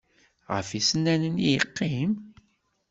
Ɣef yisennanen i yeqqim?